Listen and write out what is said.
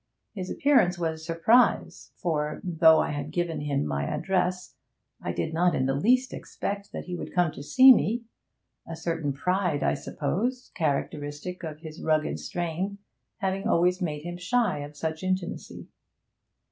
His appearance was a surprise, for, though I had given him my address, I did not in the least expect that he would come to see me; a certain pride, I suppose, characteristic of his rugged strain, having always made him shy of such intimacy.